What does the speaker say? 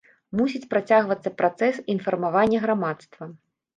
Мусіць працягвацца працэс інфармавання грамадства.